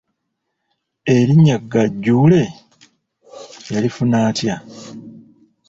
Erinnya Gaajuule, yalifuna atya?